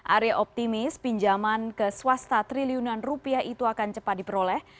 aryo optimis pinjaman ke swasta triliunan rupiah itu akan cepat diperoleh